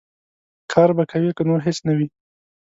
کار به کوې، که نور هېڅ نه وي.